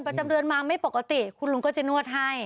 ประจำเรือนมาไม่ปกติคุณลุงก็จะนวดให้